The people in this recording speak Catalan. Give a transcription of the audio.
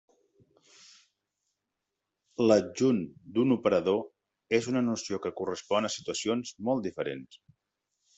L'adjunt d'un operador és una noció que correspon a situacions molt diferents.